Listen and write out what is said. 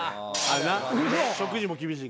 ・食事も厳しいから。